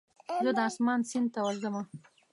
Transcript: زه د اسمان سیند ته ورځمه